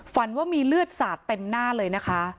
ฝันว่ามีเลือดสาดเต็มหน้าเลยนะคะ